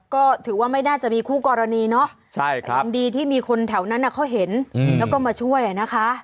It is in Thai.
ก็ถือว่าไม่น่าจะมีคู่กรณีเนาะยังดีที่มีคนแถวนั้นเขาเห็นแล้วก็มาช่วยนะคะ